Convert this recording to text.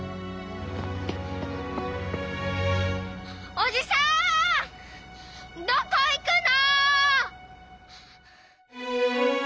おじさんどこ行くの！？